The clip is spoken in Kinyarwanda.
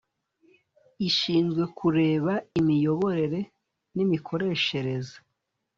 Ishinzwe kureba imiyoborere n imikoreshereze